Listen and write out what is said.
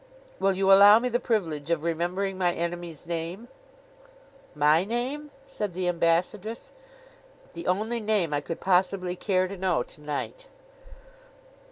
Will you allow me the privilege of remembering my enemy's name?' 'My name?' said the ambassadress. 'The only name I could possibly care to know, to night.